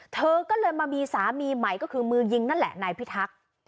เธอก็เลยมามีสามีใหม่ก็คือมือยิงนั่นแหละนายพิทักษ์